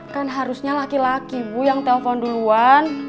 kan harusnya laki laki bu yang telpon duluan